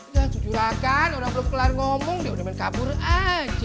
ya didurakan orang belum kelar ngomong dia udah main kabur aja